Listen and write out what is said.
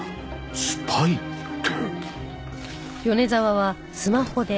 スパイって。